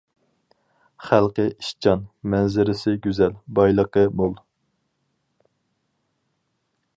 خەلقى ئىشچان، مەنزىرىسى گۈزەل، بايلىقى مول.